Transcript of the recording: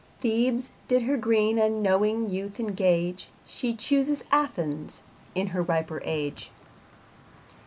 Thebes did her green unknowing youth engage; She chooses Athens in her riper age.